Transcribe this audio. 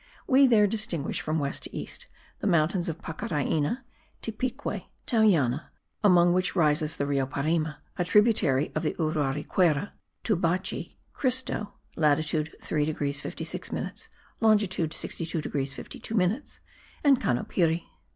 We there distinguish from west to east the mountains of Pacaraina, Tipique, Tauyana, among which rises the Rio Parime (a tributary of the Uraricuera), Tubachi, Christaux (latitude 3 degrees 56 minutes, longitude 62 degrees 52 minutes) and Canopiri.